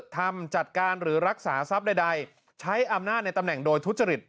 ทำจัดการหรือรักษาทรัพย์ใดใช้อำนาจในตำแหน่งโดยทุจริต